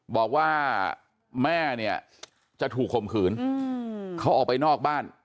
บอกว่าแม่เนี่ยจะถูกข่มขืนเขาออกไปนอกบ้าน